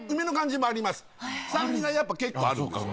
酸味がやっぱ結構あるんですよ。